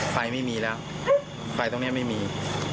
ไม่มีแล้วไฟตรงนี้ไม่มี